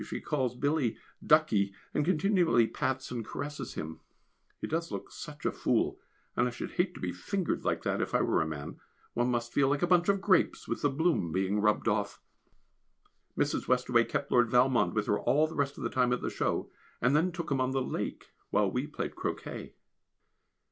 She calls Billy "Duckie," and continually pats and caresses him; he does look such a fool, and I should hate to be fingered like that if I were a man, one must feel like a bunch of grapes with the bloom being rubbed off. Mrs. Westaway kept Lord Valmond with her all the rest of the time at the show, and then took him on the lake while we played croquet.